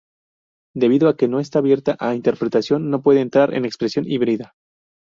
Debido a que no está abierta a interpretación, no puede entrar en expresión híbrida.